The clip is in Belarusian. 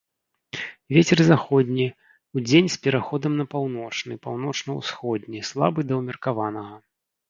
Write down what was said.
Вецер заходні, удзень з пераходам на паўночны, паўночна-ўсходні, слабы да ўмеркаванага.